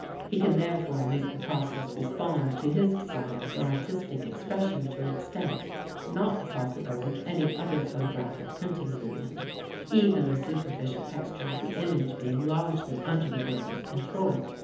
He can therefore make the process respond to his desire for artistic expression to an extent not possible with any other photographic printing medium, even the superficial texture of the image being largely under the worker's control.